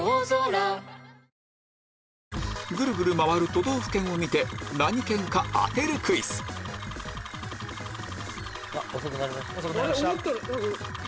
都道府県を見て何県か当てるクイズ遅くなりました。